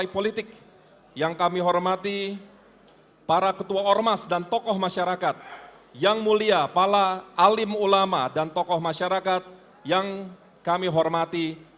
sekali lagi kami mohon untuk tertib ibu dan bapak yang kami hormati